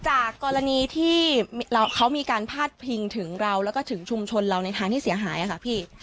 จากกรณีที่เขามีการพาดพิงถึงเราแล้วก็ถึงชุมชนเราในทางที่เสียหายค่ะพี่